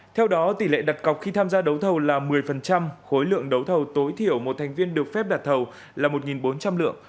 theo đó tỷ lệ đặt cọc khi tham gia đấu thầu là một mươi khối lượng đấu thầu tối thiểu một thành viên được phép đặt thầu là một bốn trăm linh lượng